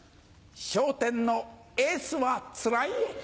『笑点』のエースはつらいよ。